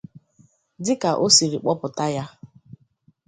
Dịka o siri kpọpụta ya